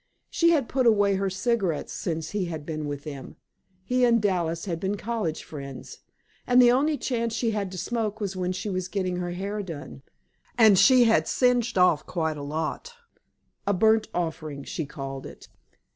She had put away her cigarettes since he had been with them he and Dallas had been college friends and the only chance she had to smoke was when she was getting her hair done. And she had singed off quite a lot a burnt offering, she called it.